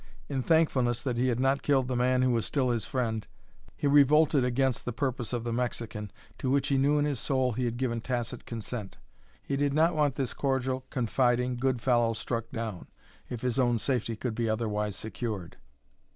In thankfulness that he had not killed the man who was still his friend he revolted against the purpose of the Mexican, to which he knew in his soul he had given tacit consent. He did not want this cordial, confiding, good fellow struck down if his own safety could be otherwise secured.